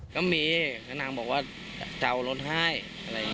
ก็มีนางบอกว่าเจ้ารถไห้อะไรอย่างนี้